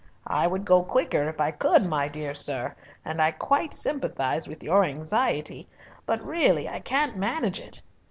"I would go quicker if I could, my dear sir, and I quite sympathise with your anxiety, but really I can't manage it."